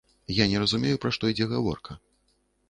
Я не разумею, пра што ідзе гаворка.